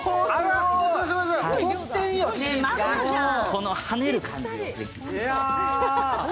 この跳ねる感じが。